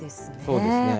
そうですね。